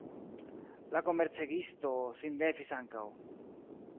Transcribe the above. La komercegisto sin levis ankaŭ.